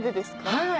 はい。